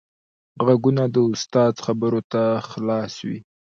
غوږونه د استاد خبرو ته خلاص وي